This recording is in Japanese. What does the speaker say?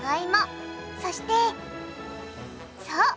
そしてそう！